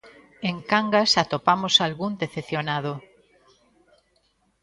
En Cangas atopamos algún decepcionado.